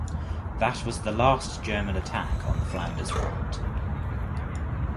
That was the last German attack on the Flanders Front.